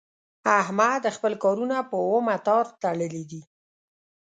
احمد خپل کارونه په اومه تار تړلي دي.